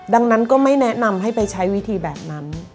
ดังนั้นก็ไม่แนะนำให้ไปใช้วิธีแบบนั้น